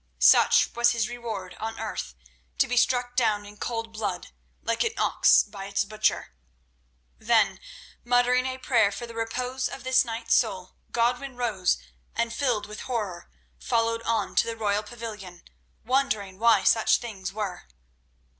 Such was his reward on earth—to be struck down in cold blood, like an ox by its butcher. Then, muttering a prayer for the repose of this knight's soul, Godwin rose and, filled with horror, followed on to the royal pavilion, wondering why such things were.